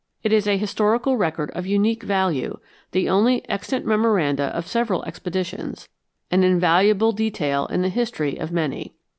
It is a historical record of unique value, the only extant memoranda of several expeditions, an invaluable detail in the history of many.